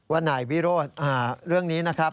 ว่านายวิโรธเรื่องนี้นะครับ